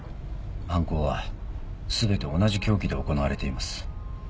犯行は全て同じ凶器で行われています。